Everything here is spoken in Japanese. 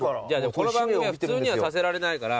この番組は普通にはさせられないから。